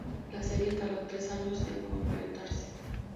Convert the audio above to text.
La serie tardó tres años en concretarse.